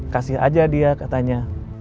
kasih aja dia katanya